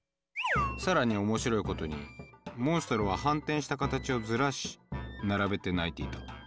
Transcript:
更に面白いことにモンストロは反転した形をずらし並べて鳴いていた。